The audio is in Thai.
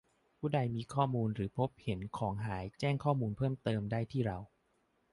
ผู้ใดมีข้อมูลหรือพบเห็นของหายแจ้งข้อมูลเพิ่มเติมได้ที่เรา